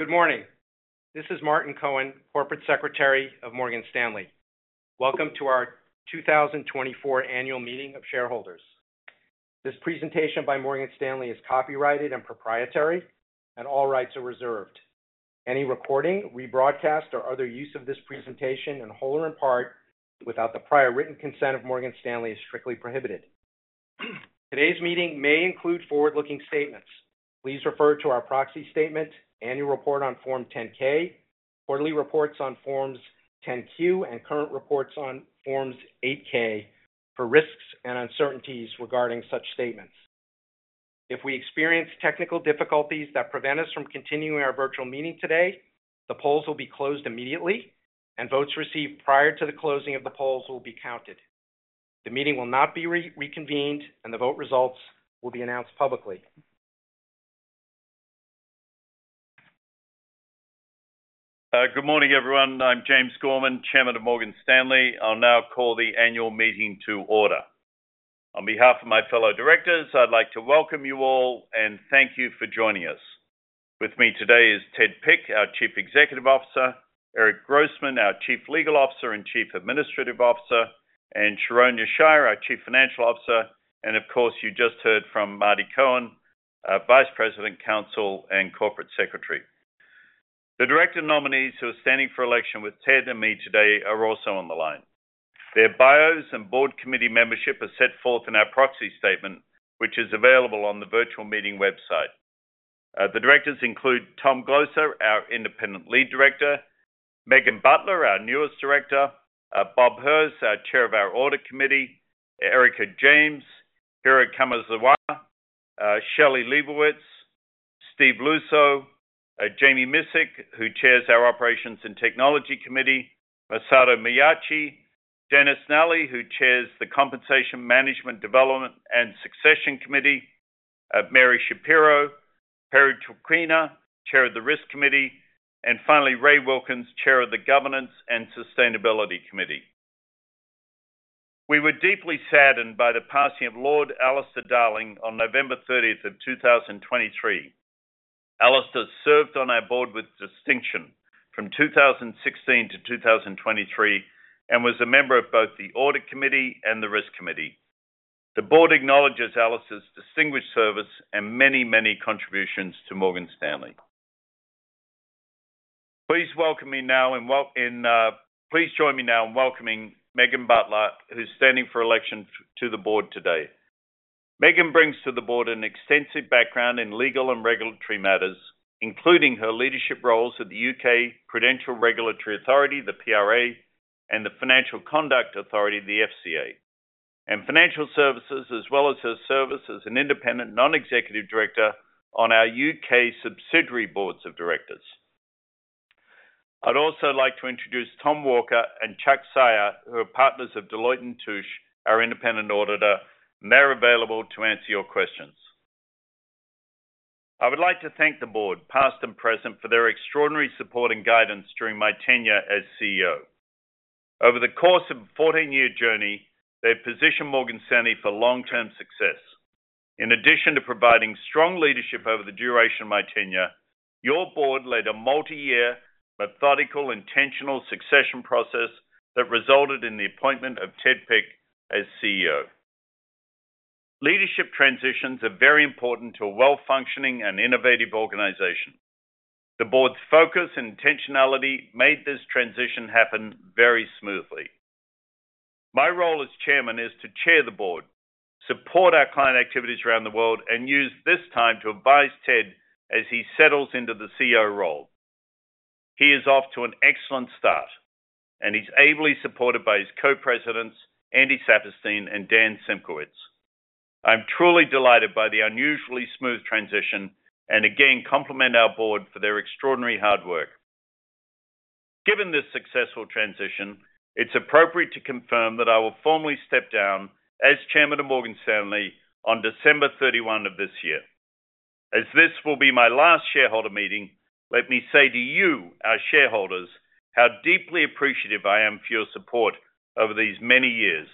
Good morning. This is Martin Cohen, Corporate Secretary of Morgan Stanley. Welcome to our 2024 Annual Meeting of Shareholders. This presentation by Morgan Stanley is copyrighted and proprietary, and all rights are reserved. Any recording, rebroadcast, or other use of this presentation in whole or in part, without the prior written consent of Morgan Stanley is strictly prohibited. Today's meeting may include forward-looking statements. Please refer to our proxy statement, annual report on Form 10-K, quarterly reports on Forms 10-Q, and current reports on Forms 8-K, for risks and uncertainties regarding such statements. If we experience technical difficulties that prevent us from continuing our virtual meeting today, the polls will be closed immediately, and votes received prior to the closing of the polls will be counted. The meeting will not be reconvened, and the vote results will be announced publicly. Good morning, everyone. I'm James Gorman, Chairman of Morgan Stanley. I'll now call the annual meeting to order. On behalf of my fellow directors, I'd like to welcome you all, and thank you for joining us. With me today is Ted Pick, our Chief Executive Officer, Eric Grossman, our Chief Legal Officer and Chief Administrative Officer, and Sharon Yeshaya, our Chief Financial Officer, and of course, you just heard from Marty Cohen, our Vice President, Counsel, and Corporate Secretary. The director nominees who are standing for election with Ted and me today are also on the line. Their bios and board committee membership are set forth in our proxy statement, which is available on the virtual meeting website. The directors include Tom Glocer, our independent lead director, Megan Butler, our newest director, Bob Herz, our chair of our audit committee, Erica James, Hironori Kamezawa, Shelley Leibowitz, Stephen Luczo, Jami Miscik, who chairs our operations and technology committee, Masato Miyachi, Dennis Nally, who chairs the Compensation, Management, Development, and Succession Committee, Mary Schapiro, Perry Traquina, chair of the Risk Committee, and finally, Rayford Wilkins, chair of the Governance and Sustainability Committee. We were deeply saddened by the passing of Lord Alistair Darling on November thirtieth of 2023. Alistair served on our board with distinction from 2016 to 2023, and was a member of both the audit committee and the risk committee. The board acknowledges Alistair's distinguished service and many, many contributions to Morgan Stanley. Please welcome me now and wel- and... Please join me now in welcoming Megan Butler, who's standing for election to the board today. Megan brings to the board an extensive background in legal and regulatory matters, including her leadership roles at the U.K. Prudential Regulation Authority, the PRA, and the Financial Conduct Authority, the FCA. In financial services, as well as her service as an independent, non-executive director on our U.K. subsidiary boards of directors. I'd also like to introduce Tom Walker and Charles Sayre, who are partners of Deloitte and Touche, our independent auditor, and they're available to answer your questions. I would like to thank the board, past and present, for their extraordinary support and guidance during my tenure as CEO. Over the course of a 14-year journey, they've positioned Morgan Stanley for long-term success. In addition to providing strong leadership over the duration of my tenure, your board led a multi-year, methodical, intentional succession process that resulted in the appointment of Ted Pick as CEO. Leadership transitions are very important to a well-functioning and innovative organization. The board's focus and intentionality made this transition happen very smoothly. My role as chairman is to chair the board, support our client activities around the world, and use this time to advise Ted as he settles into the CEO role. He is off to an excellent start, and he's ably supported by his co-presidents, Andy Saperstein and Dan Simkowitz. I'm truly delighted by the unusually smooth transition, and again, compliment our board for their extraordinary hard work. Given this successful transition, it's appropriate to confirm that I will formally step down as chairman of Morgan Stanley on December 31 of this year. As this will be my last shareholder meeting, let me say to you, our shareholders, how deeply appreciative I am for your support over these many years.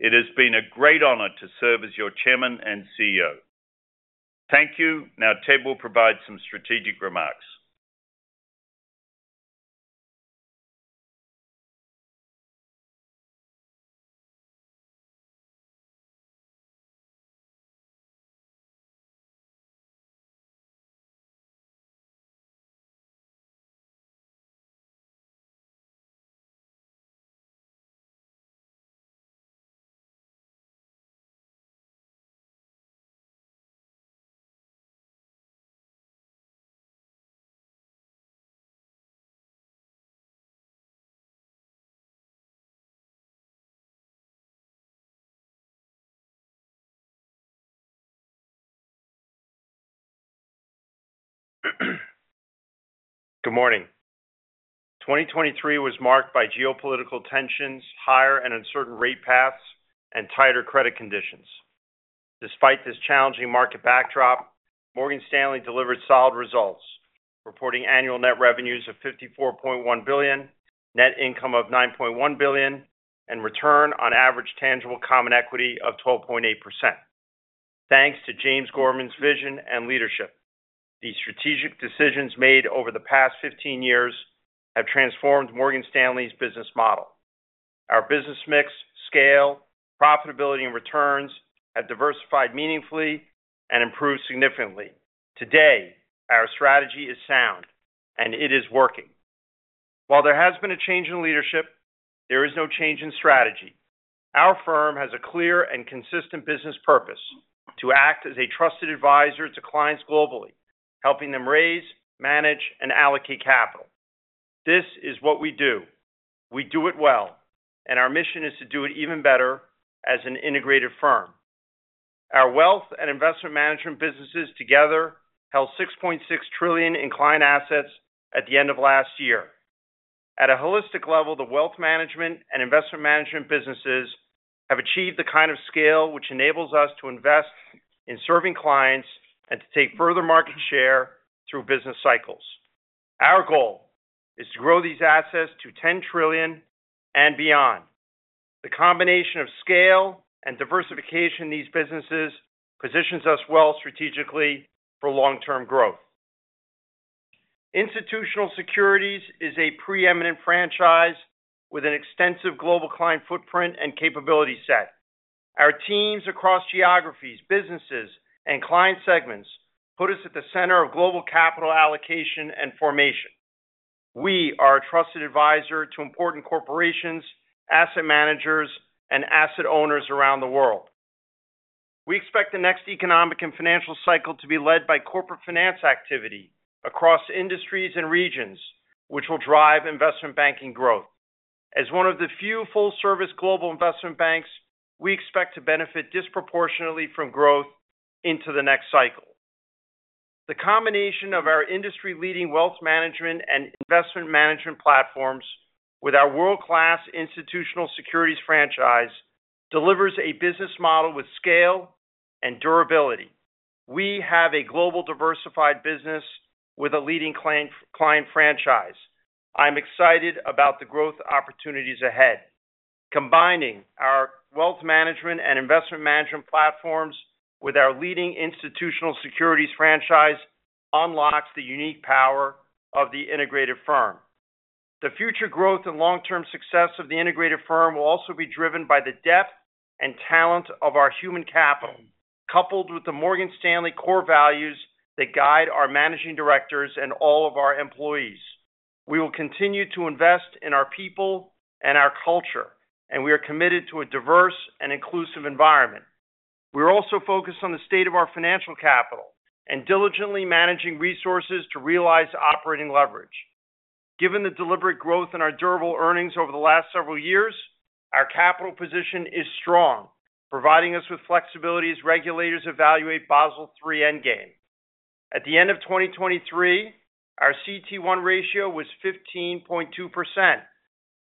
It has been a great honor to serve as your Chairman and CEO. Thank you. Now, Ted will provide some strategic remarks. Good morning. 2023 was marked by geopolitical tensions, higher and uncertain rate paths, and tighter credit conditions. Despite this challenging market backdrop, Morgan Stanley delivered solid results, reporting annual net revenues of $54.1 billion, net income of $9.1 billion, and return on average tangible common equity of 12.8%. ...Thanks to James Gorman's vision and leadership, the strategic decisions made over the past 15 years have transformed Morgan Stanley's business model. Our business mix, scale, profitability, and returns have diversified meaningfully and improved significantly. Today, our strategy is sound, and it is working. While there has been a change in leadership, there is no change in strategy. Our firm has a clear and consistent business purpose: to act as a trusted advisor to clients globally, helping them raise, manage, and allocate capital. This is what we do. We do it well, and our mission is to do it even better as an integrated firm. Our wealth and investment management businesses together held $6.6 trillion in client assets at the end of last year. At a holistic level, the wealth management and investment management businesses have achieved the kind of scale which enables us to invest in serving clients and to take further market share through business cycles. Our goal is to grow these assets to 10 trillion and beyond. The combination of scale and diversification in these businesses positions us well strategically for long-term growth. Institutional Securities is a preeminent franchise with an extensive global client footprint and capability set. Our teams across geographies, businesses, and client segments put us at the center of global capital allocation and formation. We are a trusted advisor to important corporations, asset managers, and asset owners around the world. We expect the next economic and financial cycle to be led by corporate finance activity across industries and regions, which will drive investment banking growth. As one of the few full-service global investment banks, we expect to benefit disproportionately from growth into the next cycle. The combination of our industry-leading wealth management and investment management platforms with our world-class institutional securities franchise, delivers a business model with scale and durability. We have a global diversified business with a leading client, client franchise. I'm excited about the growth opportunities ahead. Combining our wealth management and investment management platforms with our leading institutional securities franchise unlocks the unique power of the integrated firm. The future growth and long-term success of the integrated firm will also be driven by the depth and talent of our human capital, coupled with the Morgan Stanley core values that guide our managing directors and all of our employees. We will continue to invest in our people and our culture, and we are committed to a diverse and inclusive environment. We're also focused on the state of our financial capital and diligently managing resources to realize operating leverage. Given the deliberate growth in our durable earnings over the last several years, our capital position is strong, providing us with flexibility as regulators evaluate Basel III Endgame. At the end of 2023, our CET1 ratio was 15.2%.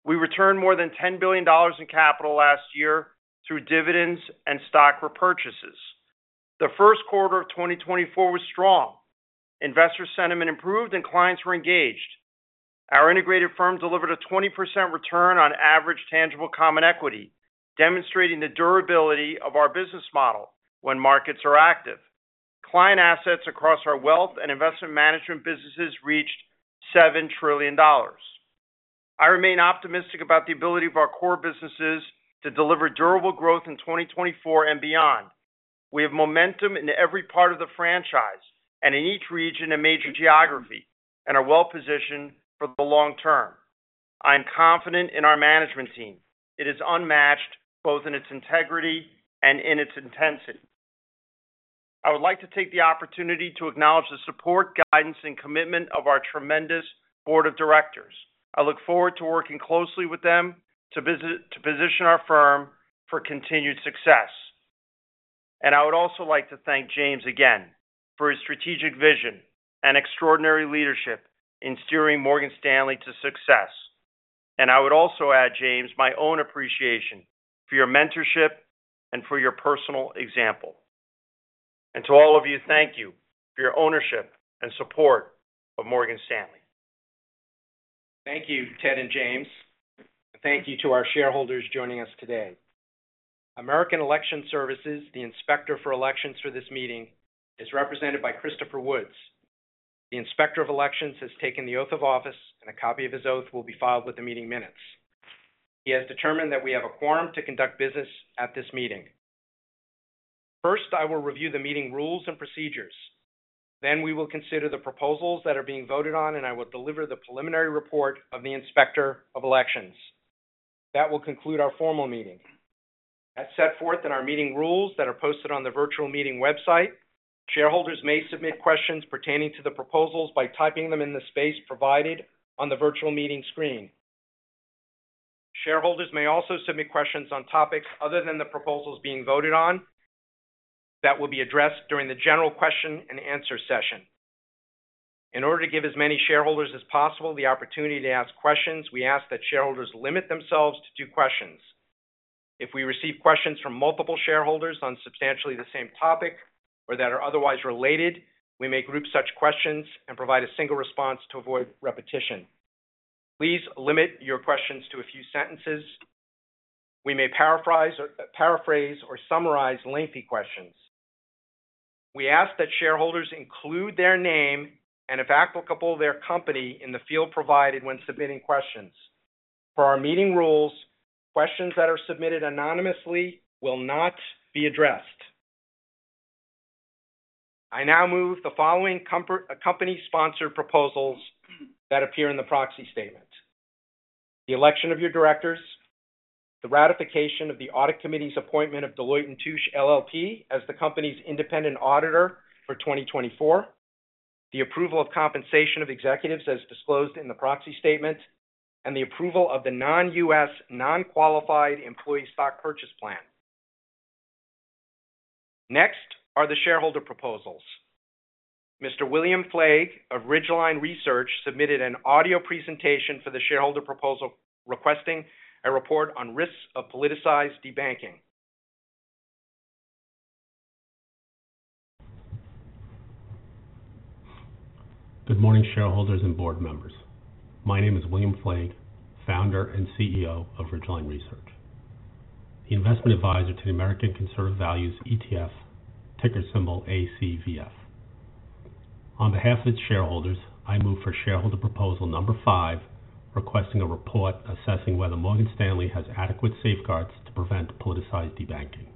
We returned more than $10 billion in capital last year through dividends and stock repurchases. The first quarter of 2024 was strong. Investor sentiment improved and clients were engaged. Our integrated firm delivered a 20% return on average tangible common equity, demonstrating the durability of our business model when markets are active. Client assets across our wealth and investment management businesses reached $7 trillion. I remain optimistic about the ability of our core businesses to deliver durable growth in 2024 and beyond. We have momentum in every part of the franchise and in each region and major geography, and are well positioned for the long term. I am confident in our management team. It is unmatched, both in its integrity and in its intensity. I would like to take the opportunity to acknowledge the support, guidance, and commitment of our tremendous board of directors. I look forward to working closely with them to position our firm for continued success. And I would also like to thank James again for his strategic vision and extraordinary leadership in steering Morgan Stanley to success. And I would also add, James, my own appreciation for your mentorship and for your personal example. And to all of you, thank you for your ownership and support of Morgan Stanley. Thank you, Ted and James. Thank you to our shareholders joining us today. American Election Services, the inspector for elections for this meeting, is represented by Christopher Woods. The Inspector of Elections has taken the oath of office, and a copy of his oath will be filed with the meeting minutes. He has determined that we have a quorum to conduct business at this meeting. First, I will review the meeting rules and procedures. Then we will consider the proposals that are being voted on, and I will deliver the preliminary report of the Inspector of Elections. That will conclude our formal meeting. As set forth in our meeting rules that are posted on the virtual meeting website, shareholders may submit questions pertaining to the proposals by typing them in the space provided on the virtual meeting screen. Shareholders may also submit questions on topics other than the proposals being voted on that will be addressed during the general question and answer session. In order to give as many shareholders as possible the opportunity to ask questions, we ask that shareholders limit themselves to two questions. If we receive questions from multiple shareholders on substantially the same topic or that are otherwise related, we may group such questions and provide a single response to avoid repetition.... Please limit your questions to a few sentences. We may paraphrase or summarize lengthy questions. We ask that shareholders include their name and, if applicable, their company in the field provided when submitting questions. Per our meeting rules, questions that are submitted anonymously will not be addressed. I now move the following company-sponsored proposals that appear in the proxy statement. The election of your directors, the ratification of the Audit Committee's appointment of Deloitte & Touche LLP as the company's independent auditor for 2024, the approval of compensation of executives as disclosed in the proxy statement, and the approval of the Non-U.S., Non-Qualified Employee Stock Purchase Plan. Next are the shareholder proposals. Mr. William Flagg of Ridgeline Research submitted an audio presentation for the shareholder proposal, requesting a report on risks of politicized debanking. Good morning, shareholders and board members. My name is William Flagg, founder and CEO of Ridgeline Research, the investment advisor to the American Conservative Values ETF, ticker symbol ACVF. On behalf of its shareholders, I move for shareholder proposal number five, requesting a report assessing whether Morgan Stanley has adequate safeguards to prevent politicized debanking.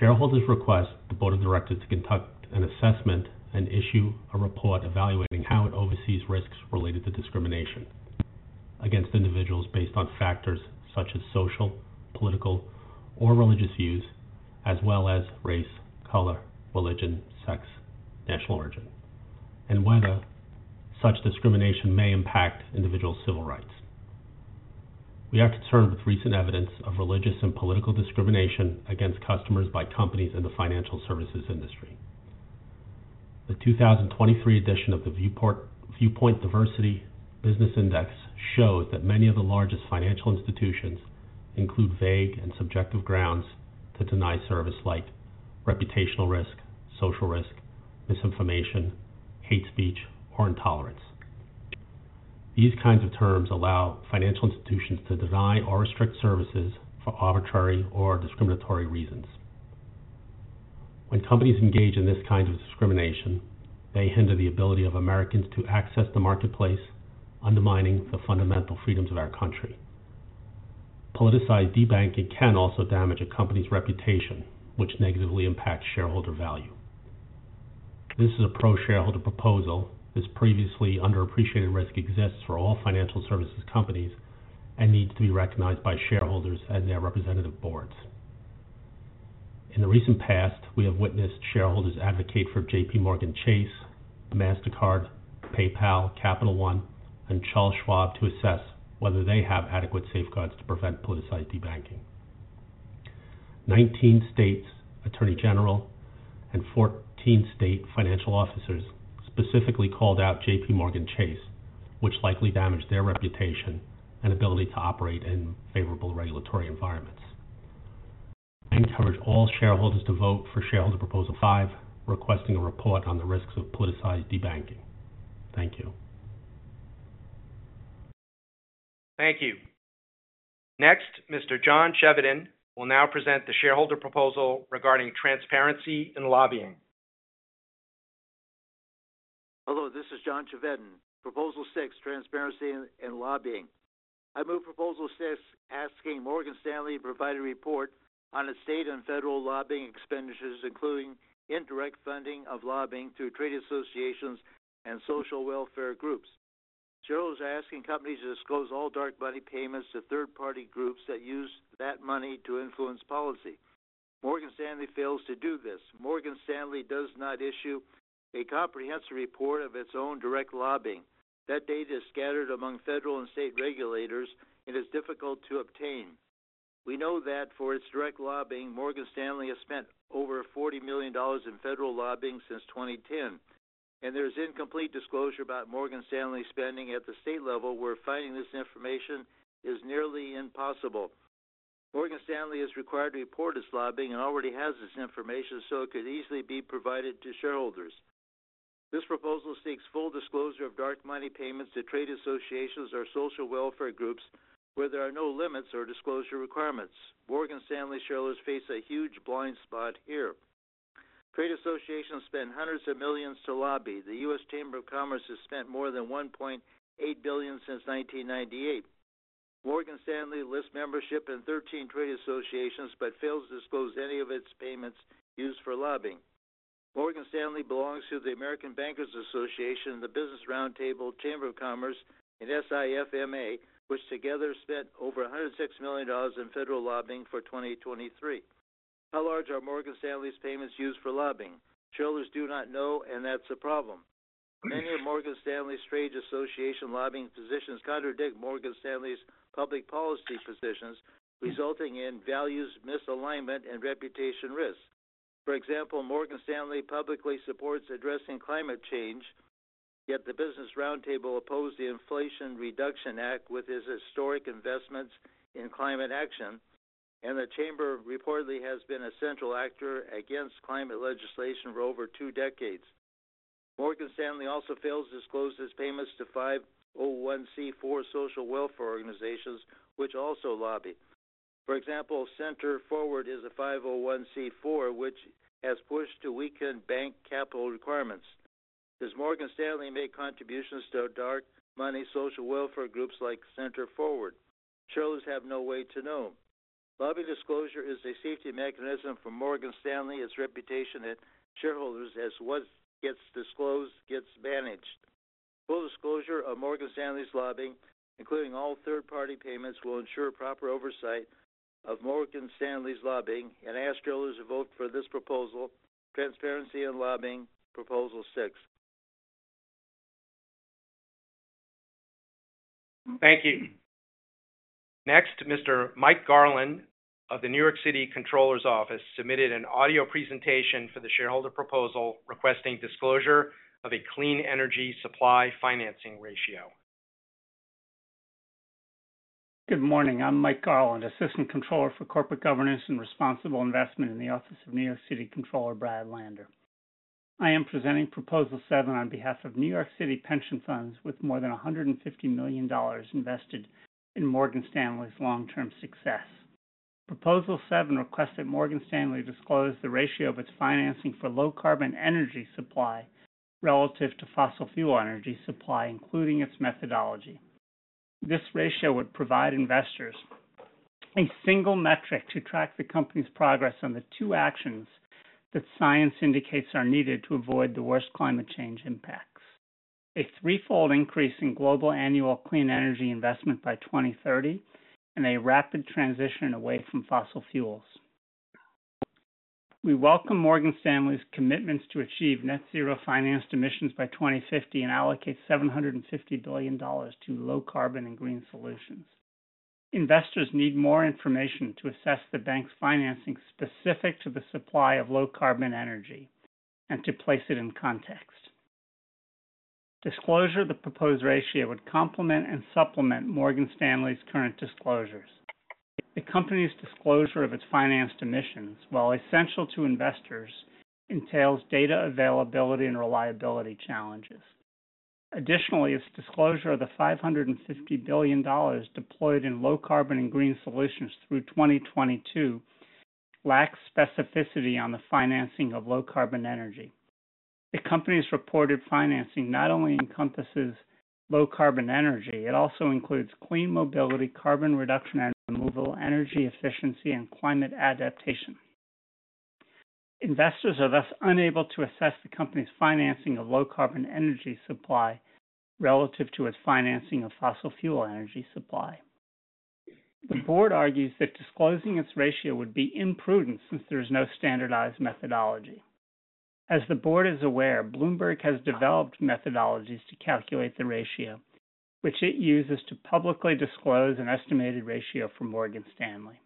Shareholders request the board of directors to conduct an assessment and issue a report evaluating how it oversees risks related to discrimination against individuals based on factors such as social, political, or religious views, as well as race, color, religion, sex, national origin, and whether such discrimination may impact individual civil rights. We are concerned with recent evidence of religious and political discrimination against customers by companies in the financial services industry. The 2023 edition of the Viewpoint Diversity Business Index shows that many of the largest financial institutions include vague and subjective grounds to deny service like reputational risk, social risk, misinformation, hate speech, or intolerance. These kinds of terms allow financial institutions to deny or restrict services for arbitrary or discriminatory reasons. When companies engage in this kind of discrimination, they hinder the ability of Americans to access the marketplace, undermining the fundamental freedoms of our country. Politicized debanking can also damage a company's reputation, which negatively impacts shareholder value. This is a pro-shareholder proposal. This previously underappreciated risk exists for all financial services companies and needs to be recognized by shareholders and their representative boards. In the recent past, we have witnessed shareholders advocate for J.P. Morgan Chase, Mastercard, PayPal, Capital One, and Charles Schwab to assess whether they have adequate safeguards to prevent politicized debanking. 19 states' attorney general and 14 state financial officers specifically called out J.P. Morgan Chase, which likely damaged their reputation and ability to operate in favorable regulatory environments. I encourage all shareholders to vote for Shareholder Proposal Five, requesting a report on the risks of politicized debanking. Thank you. Thank you. Next, Mr. John Cheveden will now present the shareholder proposal regarding transparency and lobbying. Hello, this is John Cheveden. Proposal Six, transparency and lobbying. I move Proposal Six, asking Morgan Stanley to provide a report on its state and federal lobbying expenditures, including indirect funding of lobbying through trade associations and social welfare groups. Shareholders are asking companies to disclose all dark money payments to third-party groups that use that money to influence policy. Morgan Stanley fails to do this. Morgan Stanley does not issue a comprehensive report of its own direct lobbying. That data is scattered among federal and state regulators and is difficult to obtain. We know that for its direct lobbying, Morgan Stanley has spent over $40 million in federal lobbying since 2010, and there's incomplete disclosure about Morgan Stanley spending at the state level, where finding this information is nearly impossible. Morgan Stanley is required to report its lobbying and already has this information, so it could easily be provided to shareholders. This proposal seeks full disclosure of dark money payments to trade associations or social welfare groups where there are no limits or disclosure requirements. Morgan Stanley shareholders face a huge blind spot here. Trade associations spend hundreds of millions to lobby. The U.S. Chamber of Commerce has spent more than $1.8 billion since 1998. Morgan Stanley lists membership in 13 trade associations, but fails to disclose any of its payments used for lobbying. Morgan Stanley belongs to the American Bankers Association, the Business Roundtable, Chamber of Commerce, and SIFMA, which together spent over $106 million in federal lobbying for 2023. How large are Morgan Stanley's payments used for lobbying? Shareholders do not know, and that's a problem. Many of Morgan Stanley's trade association lobbying positions contradict Morgan Stanley's public policy positions, resulting in values misalignment and reputation risk. For example, Morgan Stanley publicly supports addressing climate change, yet the Business Roundtable opposed the Inflation Reduction Act with its historic investments in climate action... and the chamber reportedly has been a central actor against climate legislation for over two decades. Morgan Stanley also fails to disclose its payments to 501(c)(4) social welfare organizations, which also lobby. For example, Center Forward is a 501(c)(4), which has pushed to weaken bank capital requirements. Does Morgan Stanley make contributions to dark money social welfare groups like Center Forward? Shareholders have no way to know. Lobby disclosure is a safety mechanism for Morgan Stanley, its reputation, and shareholders, as what gets disclosed, gets managed. Full disclosure of Morgan Stanley's lobbying, including all third-party payments, will ensure proper oversight of Morgan Stanley's lobbying and ask shareholders to vote for this proposal, transparency and lobbying, Proposal Six. Thank you. Next, Mr. Mike Garland of the New York City Comptroller's Office submitted an audio presentation for the shareholder proposal requesting disclosure of a Clean Energy Supply Financing Ratio. Good morning. I'm Mike Garland, Assistant Comptroller for Corporate Governance and Responsible Investment in the Office of New York City Comptroller Brad Lander. I am presenting Proposal Seven on behalf of New York City pension funds, with more than $150 million invested in Morgan Stanley's long-term success. Proposal Seven requests that Morgan Stanley disclose the ratio of its financing for low carbon energy supply relative to fossil fuel energy supply, including its methodology. This ratio would provide investors a single metric to track the company's progress on the two actions that science indicates are needed to avoid the worst climate change impacts: a threefold increase in global annual clean energy investment by 2030, and a rapid transition away from fossil fuels. We welcome Morgan Stanley's commitments to achieve net zero financed emissions by 2050 and allocate $750 billion to low carbon and green solutions. Investors need more information to assess the bank's financing specific to the supply of low carbon energy and to place it in context. Disclosure of the proposed ratio would complement and supplement Morgan Stanley's current disclosures. The company's disclosure of its financed emissions, while essential to investors, entails data availability and reliability challenges. Additionally, its disclosure of the $550 billion deployed in low carbon and green solutions through 2022 lacks specificity on the financing of low carbon energy. The company's reported financing not only encompasses low carbon energy, it also includes clean mobility, carbon reduction and removal, energy efficiency, and climate adaptation. Investors are thus unable to assess the company's financing of low carbon energy supply relative to its financing of fossil fuel energy supply. The board argues that disclosing its ratio would be imprudent since there is no standardized methodology. As the board is aware, Bloomberg has developed methodologies to calculate the ratio, which it uses to publicly disclose an estimated ratio for Morgan Stanley.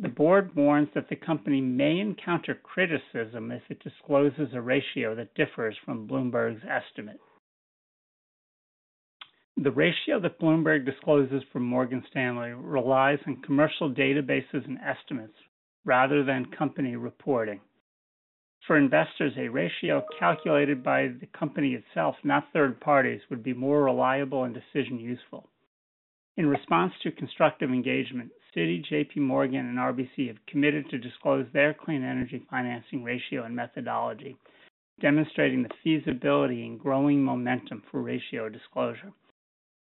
The board warns that the company may encounter criticism if it discloses a ratio that differs from Bloomberg's estimate. The ratio that Bloomberg discloses for Morgan Stanley relies on commercial databases and estimates rather than company reporting. For investors, a ratio calculated by the company itself, not third parties, would be more reliable and decision useful. In response to constructive engagement, Citi, J.P. Morgan, and RBC have committed to disclose their clean energy financing ratio and methodology, demonstrating the feasibility and growing momentum for ratio disclosure.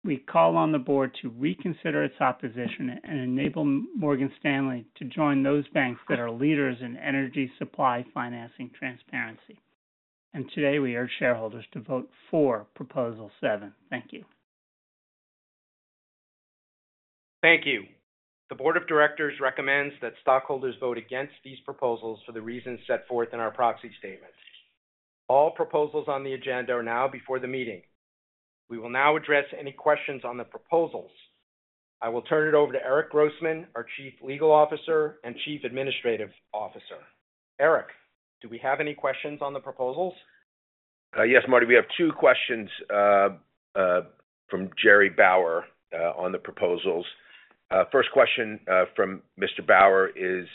We call on the board to reconsider its opposition and enable Morgan Stanley to join those banks that are leaders in energy supply financing transparency. Today, we urge shareholders to vote for Proposal Seven. Thank you. Thank you. The board of directors recommends that stockholders vote against these proposals for the reasons set forth in our proxy statements. All proposals on the agenda are now before the meeting. We will now address any questions on the proposals. I will turn it over to Eric Grossman, our Chief Legal Officer and Chief Administrative Officer. Eric, do we have any questions on the proposals? Yes, Marty, we have two questions from Jerry Bowyer on the proposals. First question from Mr. Bowyer is,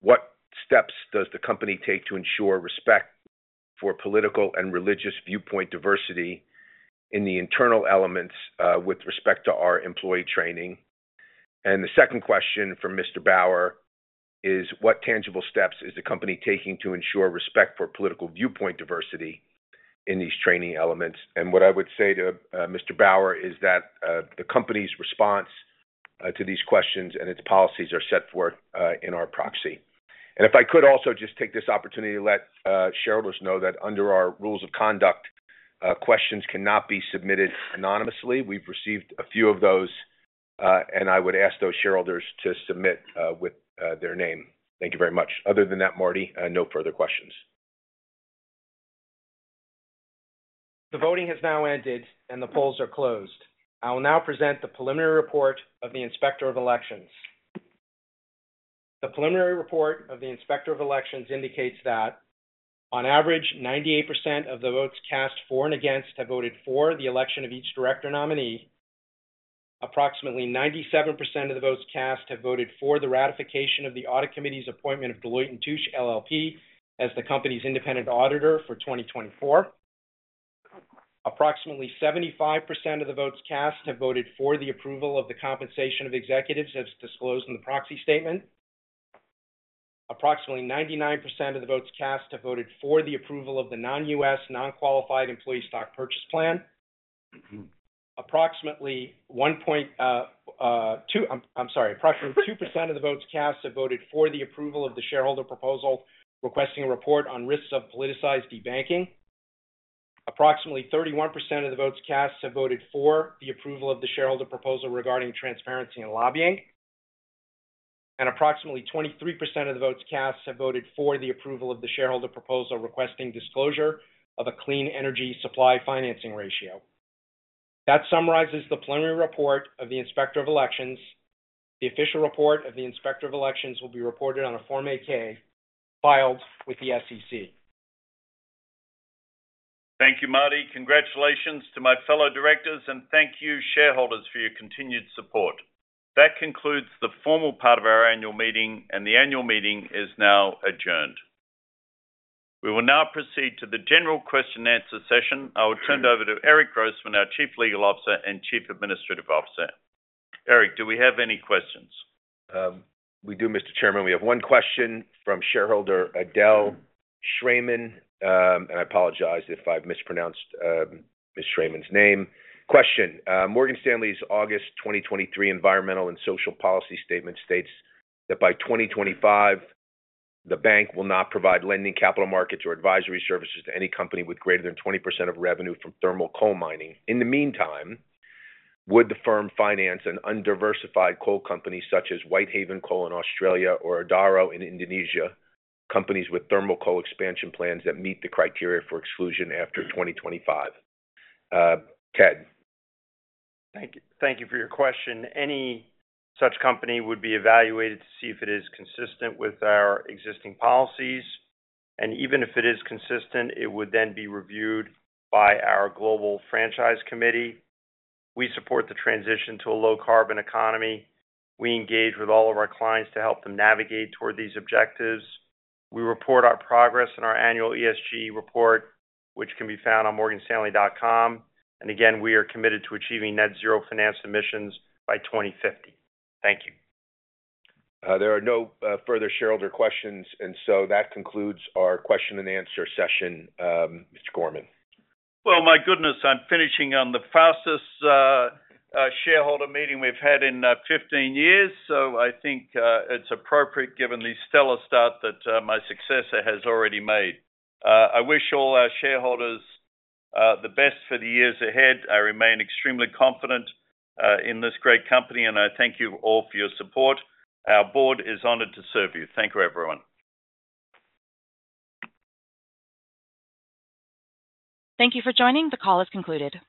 "What steps does the company take to ensure respect for political and religious viewpoint diversity in the internal elements with respect to our employee training?" And the second question from Mr. Bowyer is: "What tangible steps is the company taking to ensure respect for political viewpoint diversity in these training elements?" And what I would say to Mr. Bowyer is that the company's response to these questions and its policies are set forth in our proxy. And if I could also just take this opportunity to let shareholders know that under our rules of conduct, questions cannot be submitted anonymously. We've received a few of those, and I would ask those shareholders to submit with their name. Thank you very much. Other than that, Marty, no further questions. The voting has now ended, and the polls are closed. I will now present the preliminary report of the Inspector of Elections. The preliminary report of the Inspector of Elections indicates that. On average, 98% of the votes cast for and against have voted for the election of each director nominee. Approximately 97% of the votes cast have voted for the ratification of the audit committee's appointment of Deloitte & Touche LLP as the company's independent auditor for 2024. Approximately 75% of the votes cast have voted for the approval of the compensation of executives, as disclosed in the proxy statement. Approximately 99% of the votes cast have voted for the approval of the Non-U.S. Non-Qualified Employee Stock Purchase Plan. Approximately 1.2... I'm sorry, approximately 2% of the votes cast have voted for the approval of the shareholder proposal, requesting a report on risks of politicized debanking. Approximately 31% of the votes cast have voted for the approval of the shareholder proposal regarding transparency and lobbying. Approximately 23% of the votes cast have voted for the approval of the shareholder proposal, requesting disclosure of a Clean Energy Supply Financing Ratio. That summarizes the preliminary report of the Inspector of Elections. The official report of the Inspector of Elections will be reported on a Form 8-K filed with the SEC. Thank you, Marty. Congratulations to my fellow directors, and thank you, shareholders, for your continued support. That concludes the formal part of our annual meeting, and the annual meeting is now adjourned. We will now proceed to the general question and answer session. I will turn it over to Eric Grossman, our Chief Legal Officer and Chief Administrative Officer. Eric, do we have any questions? We do, Mr. Chairman. We have one question from shareholder Adele Shraiman. I apologize if I've mispronounced Ms. Shraiman's name. Question: Morgan Stanley's August 2023 environmental and social policy statement states that by 2025, the bank will not provide lending, capital markets, or advisory services to any company with greater than 20% of revenue from thermal coal mining. In the meantime, would the firm finance an undiversified coal company such as Whitehaven Coal in Australia or Adaro in Indonesia, companies with thermal coal expansion plans that meet the criteria for exclusion after 2025? Ted. Thank you. Thank you for your question. Any such company would be evaluated to see if it is consistent with our existing policies, and even if it is consistent, it would then be reviewed by our Global Franchise Committee. We support the transition to a low-carbon economy. We engage with all of our clients to help them navigate toward these objectives. We report our progress in our annual ESG report, which can be found on morganstanley.com. And again, we are committed to achieving net zero finance emissions by 2050. Thank you. There are no further shareholder questions, and so that concludes our question and answer session, Mr. Gorman. Well, my goodness, I'm finishing on the fastest shareholder meeting we've had in 15 years. So I think it's appropriate, given the stellar start that my successor has already made. I wish all our shareholders the best for the years ahead. I remain extremely confident in this great company, and I thank you all for your support. Our board is honored to serve you. Thank you, everyone. Thank you for joining. The call is concluded.